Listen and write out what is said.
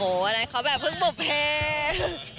โอ้อันนั้นเขาแบบเพิ่งปบเพต